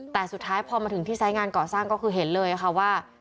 แต่สุดท้ายพอมาถึงที่ไซส์งานก่อสร้างก็คือเห็นเลยค่ะว่า